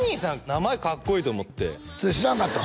名前かっこいいと思ってそれ知らんかったん？